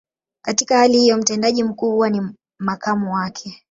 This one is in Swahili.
Katika hali hiyo, mtendaji mkuu huwa ni makamu wake.